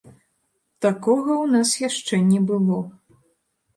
Такога ў нас яшчэ не было.